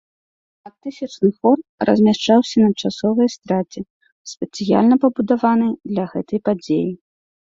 Шматтысячны хор размяшчаўся на часовай эстрадзе, спецыяльна пабудаванай для гэтай падзеі.